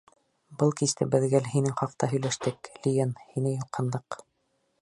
Был кисте беҙ гел һинең хаҡта һөйләштек, Лиен, һине юҡһындыҡ.